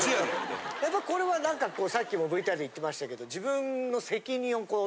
やっぱこれはさっきもＶＴＲで言ってましたけど。